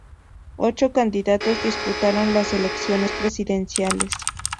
Ocho candidatos disputaron las elecciones presidenciales.